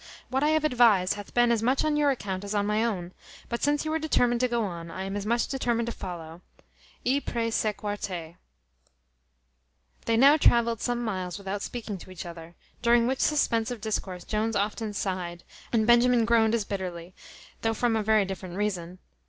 What I have advised hath been as much on your account as on my own: but since you are determined to go on, I am as much determined to follow. I prae sequar te." They now travelled some miles without speaking to each other, during which suspense of discourse Jones often sighed, and Benjamin groaned as bitterly, though from a very different reason.